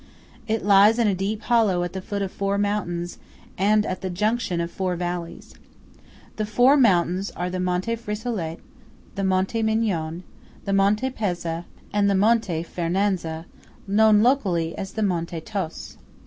It lies in a deep hollow at the foot of four mountains and at the junction of four valleys. The four mountains are the Monte Frisolet, the Monte Migion, the Monte Pezza, and the Mount Fernazza, locally known as the Monte Tos.